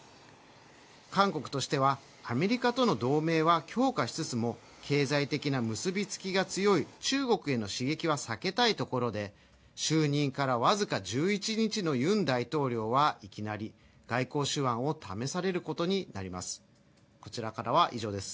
韓国としては、アメリカとの同盟は強化しつつも経済的な結びつきが強い中国への刺激は避けたいところで、就任から僅か１１日のユン大統領はいきなり外交手腕を試されることになります。